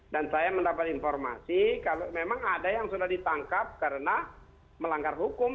dan saya mendapat informasi kalau memang ada yang sudah ditangkap karena melanggar hukum